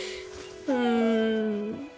うん。